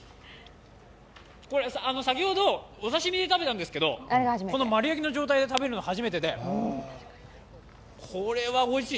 これ、先ほどお刺身で食べたんですけどこの丸焼きの状態で食べるの初めてで、これはおいしい。